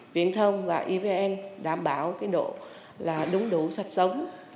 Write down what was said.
viện thông và ivn đảm bảo độ đúng đủ sạch sống